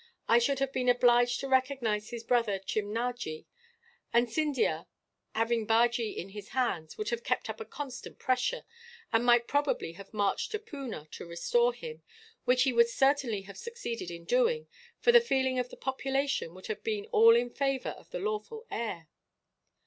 I should have been obliged to recognize his brother Chimnajee; and Scindia, having Bajee in his hands, would have kept up a constant pressure, and might probably have marched to Poona to restore him; which he would certainly have succeeded in doing, for the feeling of the population would have been all in favour of the lawful heir.